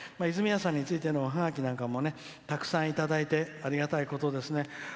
泉谷さんについてのおハガキなんかもたくさんいただいてありがたいことですね。